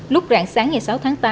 lúc rạng sáng ngày sáu tháng tám